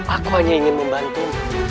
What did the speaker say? aku hanya ingin membantumu